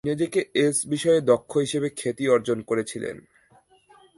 নিজেকে এস বিষয়ে "দক্ষ" হিসাবে খ্যাতি অর্জন করেছিলেন।